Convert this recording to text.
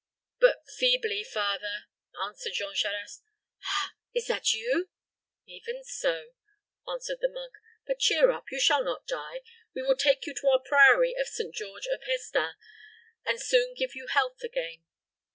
"But feebly, father," answered Jean Charost. "Hah! is that you?" "Even so," answered the monk. "But cheer up; you shall not die. We will take you to our priory of St. George of Hesdin, and soon give you health again."